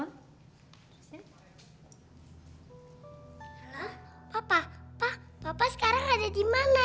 halo papa papa sekarang ada di mana